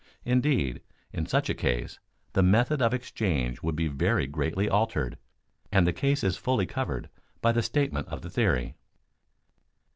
Indeed, in such a case, the method of exchange would be very greatly altered, and the case is fully covered by the statement of the theory.